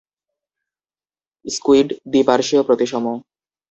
Squid দ্বিপার্শ্বীয় প্রতিসম।